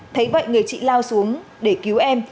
thấy vậy người chị lao xuống để cứu em